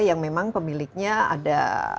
yang memang pemiliknya ada